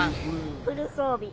フル装備。